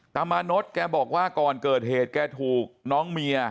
ตามานดแกบอกว่าก่อนเกิดเหตุแกถูกน้องเมีย